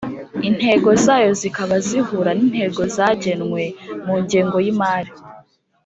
intego zayo zikaba zihura n'intego zagenwe mu ngengo y'imari.